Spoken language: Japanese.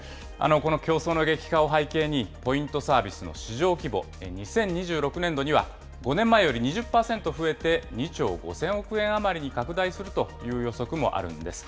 この競争の激化を背景に、ポイントサービスの市場規模、２０２６年度には５年前より２０％増えて、２兆５０００億円余りに拡大するという予測もあるんです。